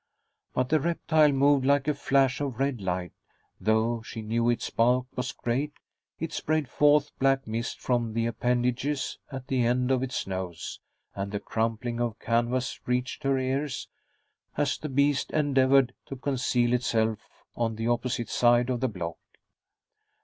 But the reptile moved like a flash of red light, though she knew its bulk was great; it sprayed forth black mist from the appendages at the end of its nose, and the crumpling of canvas reached her ears as the beast endeavored to conceal itself on the opposite side of the block.